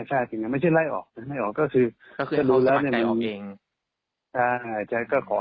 ใช่ไม่ใช่ไล่ออก